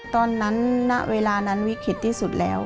ตอนนั้นณเวลานั้นวิกฤตที่สุดแล้ว